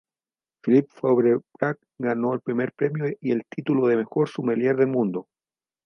Philippe Faure-Brac ganó el primer premio y el titulo de Mejor Sumiller del Mundo.